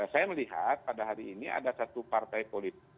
saya melihat pada hari ini ada satu partai politik